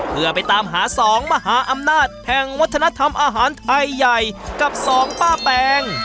เพื่อไปตามหา๒มหาอำนาจแห่งวัฒนธรรมอาหารไทยใหญ่กับสองป้าแปง